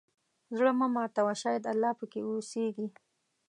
زړه مه ماتوه، شاید الله پکې اوسېږي.